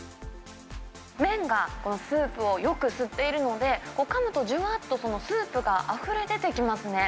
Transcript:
麺がスープをよく吸っているので、かむとじゅわっとそのスープがあふれ出てきますね。